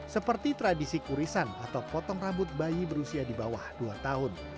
seperti tradisi kurisan atau potong rambut bayi berusia di bawah dua tahun